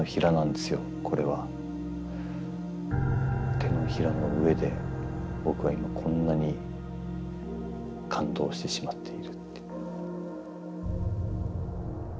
手のひらの上で僕は今こんなに感動してしまっている。